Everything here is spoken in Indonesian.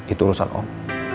itu urusan om